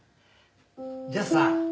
じゃあさ